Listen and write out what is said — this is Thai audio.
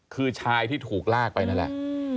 คือชายที่ถูกลากไปนั่นแหละ